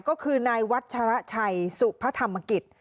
ก็คือนายวัชระชัยสุพธรรมกิจ